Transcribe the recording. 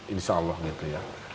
insya allah gitu ya